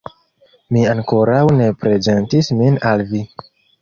Mi ankoraŭ ne prezentis min al vi.